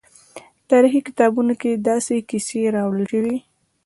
تاریخي کتابونو کې داسې کیسې راوړل شوي.